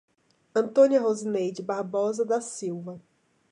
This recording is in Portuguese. Antônia Rosineide Barbosa da Silva